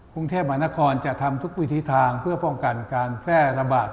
กรุงเทพมหานครจะทำทุกวิธีทางเพื่อป้องกันการแพร่ระบาด